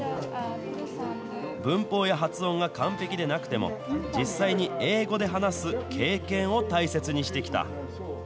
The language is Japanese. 文法や発音が完璧でなくても、実際に英語で話す経験を大切にしてきた。